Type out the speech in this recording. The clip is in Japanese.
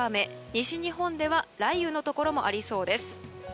西日本では雷雨のところもありそうです。